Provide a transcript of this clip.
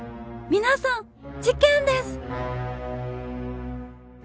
皆さん事件です！